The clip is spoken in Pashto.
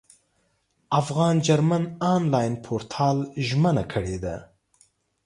افغان جرمن انلاین پورتال ژمنه کړې ده.